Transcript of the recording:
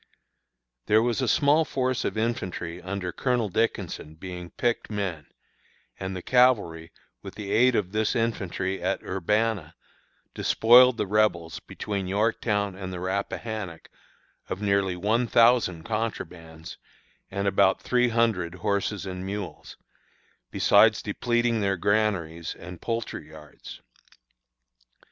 "There was a small force of infantry under Colonel Dickinson, being picked men; and the cavalry, with the aid of this infantry at Urbanna, despoiled the Rebels between Yorktown and the Rappahannock of nearly one thousand contrabands and about three hundred horses and mules, besides depleting their granaries and poultry yards.